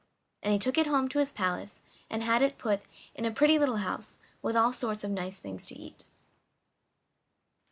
And he took it home to his palace and had it put in a pretty little house, with all sorts of nice things to eat.